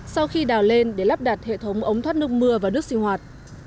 sau khi đào lên để lắp đặt hệ thống ống thoát nước mưa và nước sinh hoạt